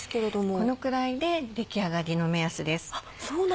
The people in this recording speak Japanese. このくらいで出来上がりの目安です。